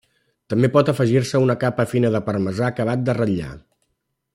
També pot afegir-se una capa fina de parmesà acabat de ratllar.